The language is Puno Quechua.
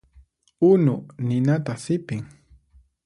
Unu ninata sipin.